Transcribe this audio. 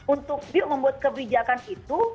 untuk membuat kebijakan itu